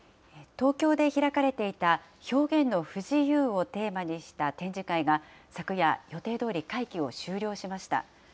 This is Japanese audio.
東京で開かれていた、表現の不自由をテーマにした展示会が、昨夜、予定どおり会期を終了しました。